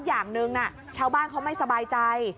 อย่างหนึ่งชาวบ้านเขาไม่สบายใจ